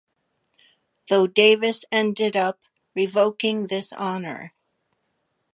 Though Davis ended up revoking this honor.